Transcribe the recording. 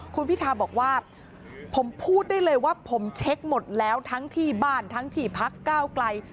คุณพิทาบอกว่าผมพูดได้เลยว่าผมเช็คหมดแล้วทั้งที่บ้านทั้งที่พักก้าวไกล